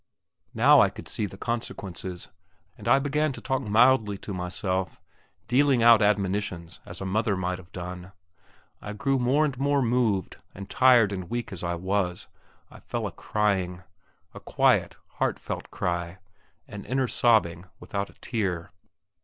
Now I could see the consequences, and I began to talk mildly to myself, dealing out admonitions as a mother might have done. I grew more and more moved, and tired and weak as I was, I fell a crying. A quiet, heart felt cry; an inner sobbing without a tear.